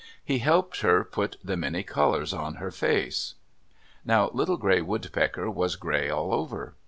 He helped her put the many colors on her face. Now Little Gray Woodpecker was gray all over.